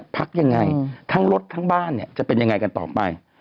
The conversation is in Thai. พักยังไงทั้งรถทั้งบ้านเนี่ยจะเป็นยังไงกันต่อไป